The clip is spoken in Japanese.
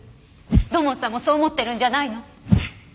土門さんもそう思ってるんじゃないの？